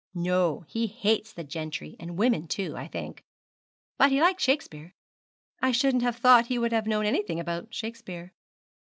'No; he hates the gentry, and women, too, I think. But he likes Shakespeare.' 'I shouldn't have thought he would have known anything about Shakespeare.'